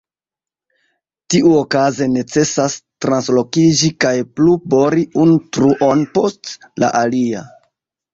Tiuokaze necesas translokiĝi kaj plu bori unu truon post la alia.